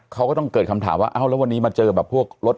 เขาก็ต้องเกิดคำถามว่าเอ้าแล้ววันนี้มาเจอแบบพวกรถ